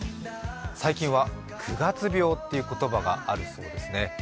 最近は９月病という言葉があるそうですね。